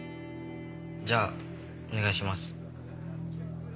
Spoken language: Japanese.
じゃあお願いします。